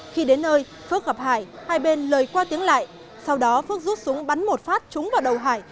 khi đến nơi phước gặp hải hai bên lời qua tiếng lại sau đó phước rút súng bắn một phát trúng vào đầu hải